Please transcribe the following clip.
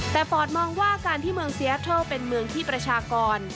แต่ฟอร์ตมองว่าการที่เมืองเซียทัลเป็นเมืองที่ประชากร